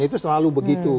itu selalu begitu